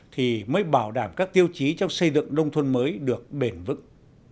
thì mới bảo đảm các tiêu chí trong xây dựng nông thôn mới được bền vững